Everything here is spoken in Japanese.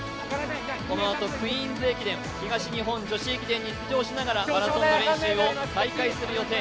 このあとクイーンズ駅伝、東日本女子駅伝に出場しながらマラソンの練習を再開する予定。